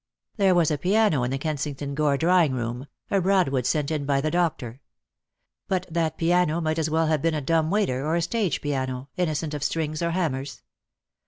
There was a piano in the Kensington Gore drawing room, a Broadwood sent in by the doctor. But that piano might as well have been a dumb waiter, or a stage piano, innocent of strings or hammers.